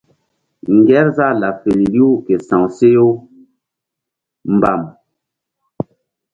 Ŋgerzah laɓ feri riw ke sa̧w she u mbam.